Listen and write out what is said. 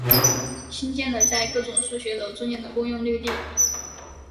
兴建了在各种教学楼中间的公用绿地。